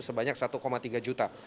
sebanyak satu tiga juta